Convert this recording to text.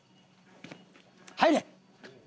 入れ！